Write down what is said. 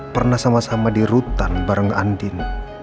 pernah sama sama di rutan bareng andin